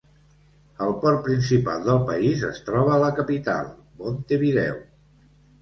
El port principal del país es troba a la capital, Montevideo.